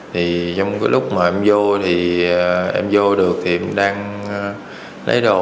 thì trong cái lúc mà em vô thì em vô được thì đang lấy đồ